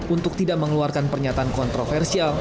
untuk tidak mengeluarkan pernyataan kontroversial